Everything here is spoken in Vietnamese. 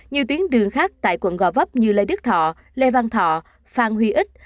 nhiều tuyến đường khác tại quận gò vấp như lê đức thọ lê văn thọ phan huy ích